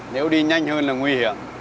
nếu đi nhanh hơn là nguy hiểm